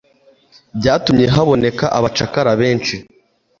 byatumye haboneka abacakara benshi.